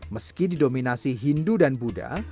meski didominasi hindu dan buddha